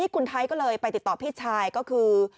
ใครก็เลยไปติดต่อพี่ชายก็คือ